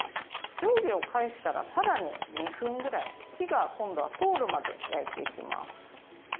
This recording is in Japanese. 上下を返したらさらに２分ぐらい火が今度は通るまで焼いていきます。